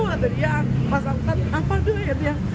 lalu dia pas angkat apa doanya dia